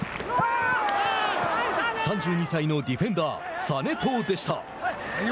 ３２歳のディフェンダー實藤でした。